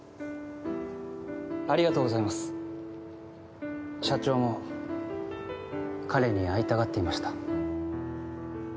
ありがとうございます社長も彼に会いたがっていました